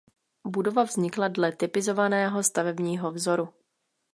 Budova vznikla dle typizovaného stavebního vzoru.